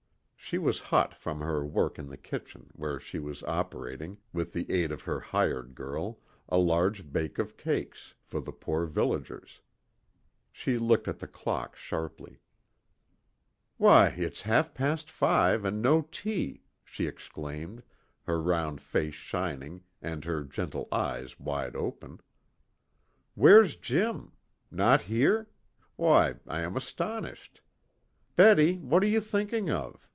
She was hot from her work in the kitchen, where she was operating, with the aid of her "hired" girl, a large bake of cakes for the poorer villagers. She looked at the clock sharply. "Why, it's half past five and no tea," she exclaimed, her round face shining, and her gentle eyes wide open. "Where's Jim? Not here? Why, I am astonished. Betty, what are you thinking of?